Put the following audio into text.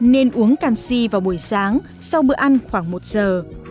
nên uống canxi vào buổi sáng sau bữa ăn khoảng một giờ